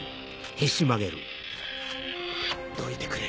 どいてくれ。